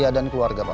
neden dong kita nanti